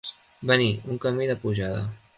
Venir, un camí, de pujada.